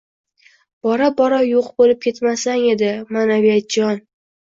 Bora-bora yo‘q bo‘lib ketmasang edi, ma’naviyatjon!